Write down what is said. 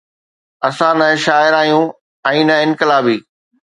اسان نه شاعر آهيون ۽ نه انقلابي.